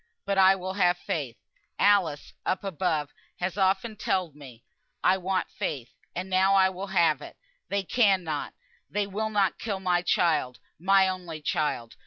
But I will have faith. Alice (up above) has often telled me I wanted faith, and now I will have it. They cannot they will not kill my child, my only child.